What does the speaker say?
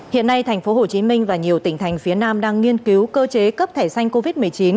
hiện nay tp hcm và nhiều tỉnh thành phía nam đang nghiên cứu cơ chế cấp thẻ xanh covid một mươi chín